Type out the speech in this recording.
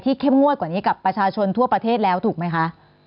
เข้มงวดกว่านี้กับประชาชนทั่วประเทศแล้วถูกไหมคะ